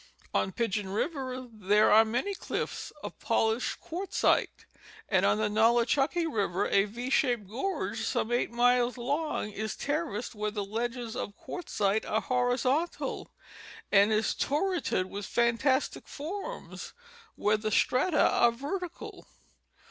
On Pigeon river there are many cliffs of polished 23 294 National Geographic Magazine. quartzite, and on the Nolichucky river a V shaped gorge some eight miles long is terraced where the ledges of quartzite are horizontal and is turreted with fantastic forms where the strata are vertical.